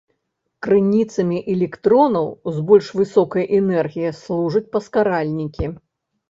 Крыніцамі электронаў з больш высокай энергіяй служаць паскаральнікі.